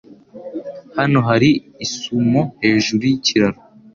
Hano hari isumo hejuru yikiraro.